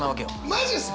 マジですか。